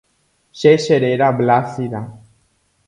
Che cheréra Blásida.